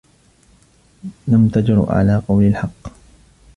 لم تجرأ على قول الحق.